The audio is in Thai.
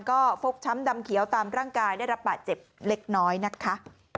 ก็ฟกช้ำดำเขียวตามร่างกายได้รับบาดเจ็บเล็กน้อยนะคะ